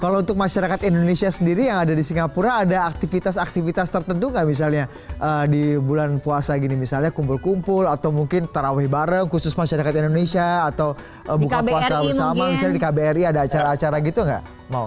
kalau untuk masyarakat indonesia sendiri yang ada di singapura ada aktivitas aktivitas tertentu nggak misalnya di bulan puasa gini misalnya kumpul kumpul atau mungkin taraweh bareng khusus masyarakat indonesia atau buka puasa bersama misalnya di kbri ada acara acara gitu nggak mau